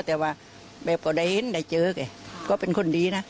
แต่ว่าแม่ก็ได้เห็นได้เจอไงก็เป็นคนดีนะ